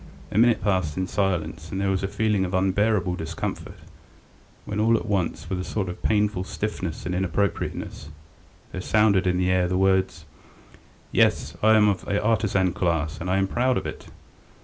A minute passed in silence, and there was a feeling of unbearable discomfort, when all at once with a sort of painful stiffness and inappropriateness, there sounded in the air the words: "Yes, I am of the artisan class, and I am proud of it!"